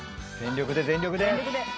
「全力で全力で」